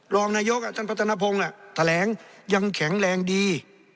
รองนายกท่านพัฒนภงแถลงยังแข็งแรงดี